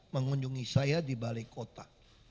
mengunjungi saya di balai kota